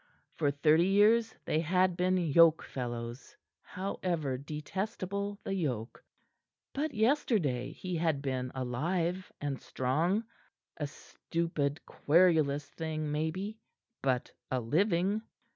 For thirty years they had been yoke fellows, however detestable the yoke. But yesterday he had been alive and strong, a stupid, querulous thing maybe, but a living.